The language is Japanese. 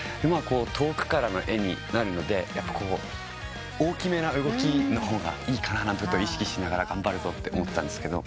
遠くからの絵になるので大きめな動きの方がいいかなって意識しながら頑張るぞって思ってたんです。